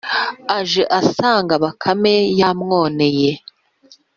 aje asanga bakame yamwoneye.